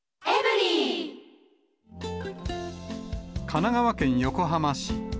神奈川県横浜市。